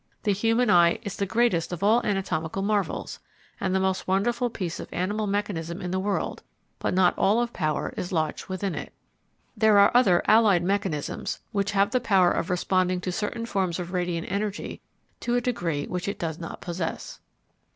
The human eye is the greatest of all anatomical marvels, and the most wonderful piece of animal mechanism in the world, but not all of power is lodged within it. There are other allied mechanisms which have the power of responding to certain forms of radiant energy to a degree which it does not possess."